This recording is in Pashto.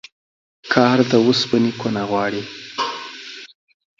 کار د اوسپني کونه غواړي.